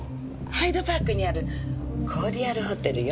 ハイドパークにあるコーディアルホテルよ。